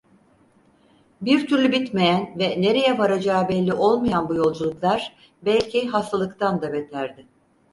Bir türlü bitmeyen ve nereye varacağı belli olmayan bu yolculuklar belki hastalıktan da beterdi.